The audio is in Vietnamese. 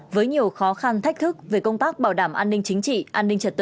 với nhiều khó khăn thách thức về công tác bảo đảm an ninh chính trị an ninh trật tự